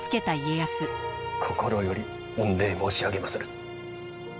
心より御礼申し上げまする。